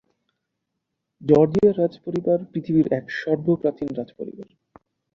Georgia রাজ্ পরিবার পৃথিবীর এক সর্ব প্রাচীন রাজপরিবার।